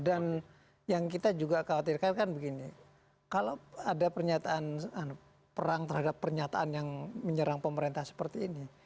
dan yang kita juga khawatirkan kan begini kalau ada pernyataan perang terhadap pernyataan yang menyerang pemerintah seperti ini